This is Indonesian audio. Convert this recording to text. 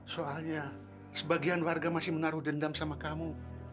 soalnya sebagian warga masih menaruh dendam sama kamu